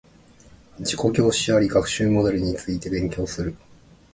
自己教師あり学習モデルについて勉強する